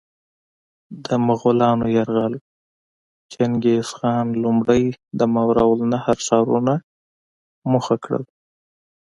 د مغولانو یرغل: چنګیزخان لومړی د ماورالنهر ښارونه موخه کړل.